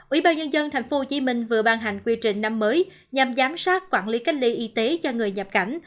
ủy ban nhân dân tp hcm vừa ban hành quy trình năm mới nhằm giám sát quản lý cách ly y tế cho người nhập cảnh